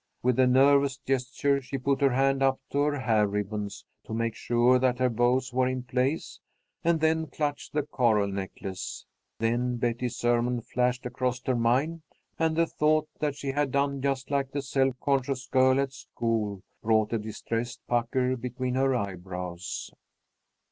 With a nervous gesture, she put her hand up to her hair ribbons to make sure that her bows were in place, and then clutched the coral necklace. Then Betty's sermon flashed across her mind, and the thought that she had done just like the self conscious girl at school brought a distressed pucker between her eyebrows.